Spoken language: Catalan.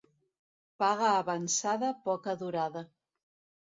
Paga avançada, poca durada.